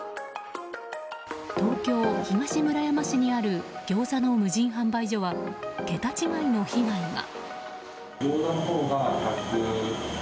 東京・東村山市にあるギョーザの無人販売所は桁違いの被害が。